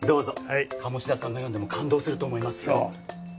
鴨志田さんが読んでも感動すると思いますよ。